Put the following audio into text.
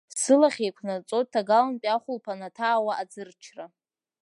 Сылахь еиқәнаҵоит ҭагалантәи ахәылԥ анаҭаауа аӡырчра…